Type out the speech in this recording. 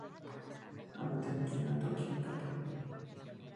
Habita en China, Tonkin y Japón.